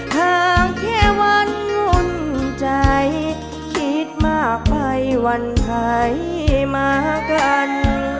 ทั้งแต่วันหุ้นใจคิดมากไปวันไขมากัน